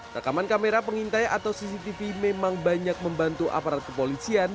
rekaman kamera pengintai atau cctv memang banyak membantu aparat kepolisian